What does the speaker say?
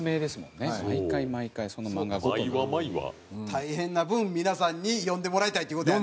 大変な分皆さんに読んでもらいたいって事やね。